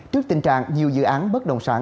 trước tình trạng nhiều dự án bất động sản